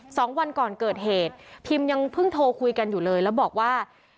สองวันก่อนเกิดเหตุพิมยังเพิ่งโทรคุยกันอยู่เลยแล้วบอกว่า